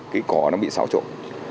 cái cỏ nó bị xáo trộn